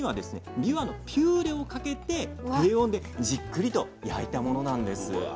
びわのピューレをかけて低温でじっくりと焼いたものなんです。